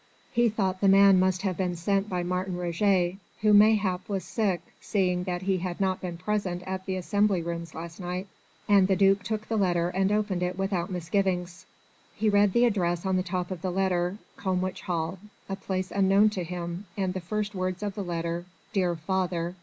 He thought the man must have been sent by Martin Roget, who mayhap was sick, seeing that he had not been present at the Assembly Rooms last night, and the duc took the letter and opened it without misgivings. He read the address on the top of the letter: "Combwich Hall" a place unknown to him, and the first words of the letter: "Dear father!"